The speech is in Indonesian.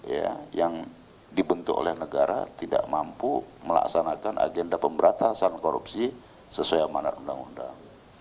ya yang dibentuk oleh negara tidak mampu melaksanakan agenda pemberantasan korupsi sesuai amanat undang undang